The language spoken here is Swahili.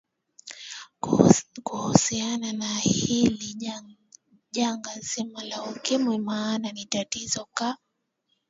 kuhusiana na hili janga zima la ukimwi maana ni tatizo ka